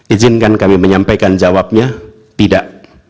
izinkan kami menyampaikan jawabnya tidak